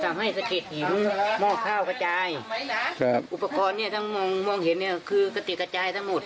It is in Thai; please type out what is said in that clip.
สามารถให้สะเก็ดหินหม้อข้าวกระจายครับอุปกรณ์เนี้ยทั้งมองเห็นเนี้ยคือกระเด็นกระจายทั้งหมด